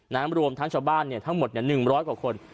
น้ำรวมทางชาวบ้านเนี่ยทั้งหมดเนี่ย๑๐๐กว่าคน